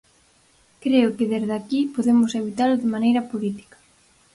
Creo que desde aquí podemos evitalo de maneira política.